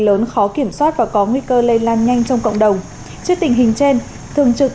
lớn khó kiểm soát và có nguy cơ lây lan nhanh trong cộng đồng trước tình hình trên thường trực